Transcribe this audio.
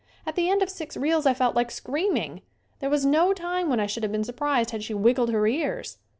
At the end of six reels I felt like screaming. There was no time when I should have been surprised had she wiggled her ears.